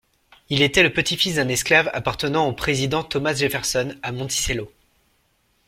Il était le petit-fils d'un esclave appartenant au président Thomas Jefferson à Monticello.